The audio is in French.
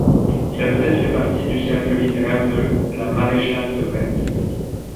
Il a peut-être fait partie du cercle littéraire de la maréchale de Retz.